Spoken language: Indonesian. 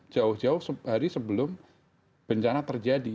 jauh jauh hari sebelum bencana terjadi